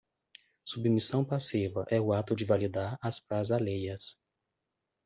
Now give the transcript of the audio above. submissão passiva é o ato de validar as frases alheias